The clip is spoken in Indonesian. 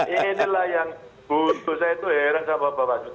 inilah yang butuh saya itu heran sama bawaslu